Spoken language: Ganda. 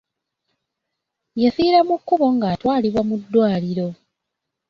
Yafiira mu kkubo ng'atwalibwa mu ddwaliro.